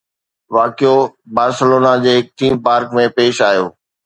واقعو بارسلونا جي هڪ ٿيم پارڪ ۾ پيش آيو